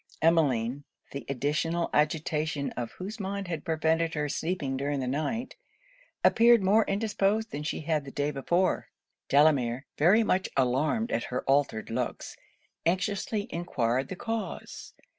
Emmeline, the additional agitation of whose mind had prevented her sleeping during the night, appeared more indisposed than she had done the day before. Delamere, very much alarmed at her altered looks, anxiously enquired the cause?